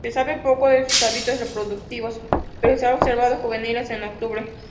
Se sabe poco de sus hábitos reproductivos pero se ha observado juveniles en octubre.